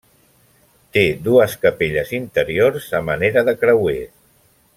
Té dues capelles interiors a manera de creuer.